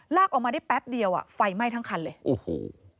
ลากออกมาได้แป๊บเดียวไฟไหม้ทั้งคันเลย